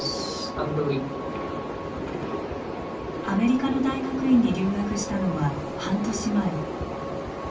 アメリカの大学院に留学したのは半年前。